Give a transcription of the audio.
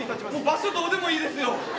場所どうでもいいですよ。